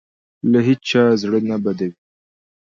له هېچا زړه نه بدوي.